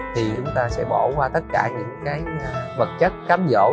thì chúng ta sẽ bỏ qua tất cả những cái vật chất cám dỗ